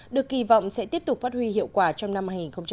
được kỳ vọng sẽ tiếp tục phát huy hiệu quả trong năm hai nghìn một mươi tám